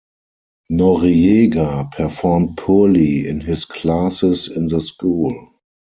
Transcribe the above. Noriega performed poorly in his classes in the school.